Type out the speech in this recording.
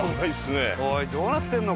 おいどうなってるの？